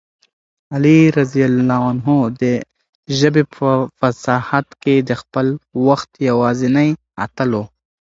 علي رض د ژبې په فصاحت کې د خپل وخت یوازینی اتل و.